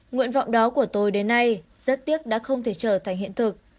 nguyện vọng đó của tôi đến nay rất tiếc đã không thể trở thành hiện thực